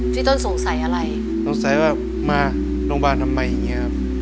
ที่ต้นสงสัยอะไรสงสัยว่ามาโรงพยาบาลทำไมอย่างเงี้ครับ